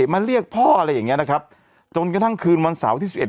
มาเรียกพ่ออะไรอย่างเงี้นะครับจนกระทั่งคืนวันเสาร์ที่สิบเอ็